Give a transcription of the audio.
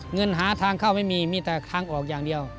เงินหาทางเข้าไม่มีมีแต่ทางออกอย่างเดียว